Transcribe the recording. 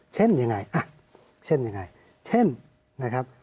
เช่นยังไงอ่ะเช่นยังไงเช่นนะครับ